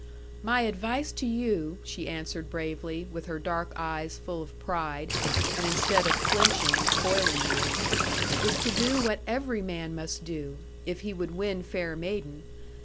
'My advice to you,' she answered bravely, with her dark eyes full of pride, and instead of flinching, foiling me, 'is to do what every man must do, if he would win fair maiden.